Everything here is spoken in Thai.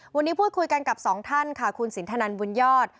วันนี้พูดคุยกันกับสองท่านค่ะคุณสินทนันบุญยอด